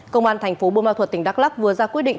công an thành phố bô ma thuật tỉnh đắk lắc vừa ra quyết định